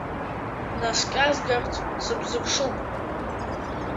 Бнаскьазгарц сыбзыԥшуп!